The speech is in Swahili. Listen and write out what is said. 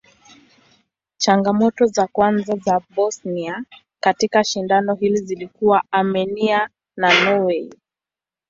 Changamoto za kwanza za Bosnia katika shindano hili zilikuwa Armenia na Norway.